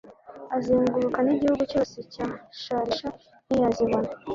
azenguruka n'igihugu cyose cya shalisha ntiyazibona